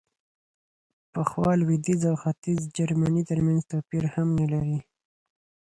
پخوا لوېدیځ او ختیځ جرمني ترمنځ توپیر هم نه لري.